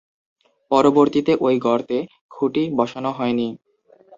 পরবর্তীতে ঐ গর্তে খুঁটি বসানো হয়নি।